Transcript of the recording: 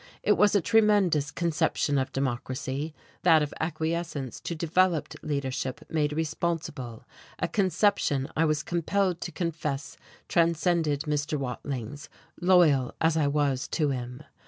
It was a tremendous conception of Democracy, that of acquiescence to developed leadership made responsible; a conception I was compelled to confess transcended Mr. Watling's, loyal as I was to him....